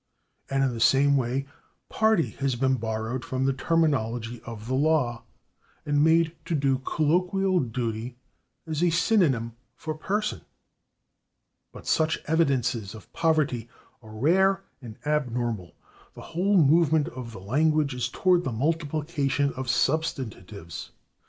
And in the same way /party/ has been borrowed from the terminology of the law and made to do colloquial duty as a synonym for /person/. But such evidences of poverty are rare and abnormal; the whole movement of the language is toward the multiplication of substantives.